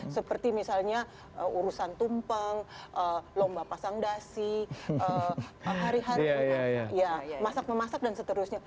seperti misalnya urusan tumpeng lomba pasang dasi hari hari masak memasak dan seterusnya